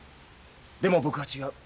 でも僕は違う。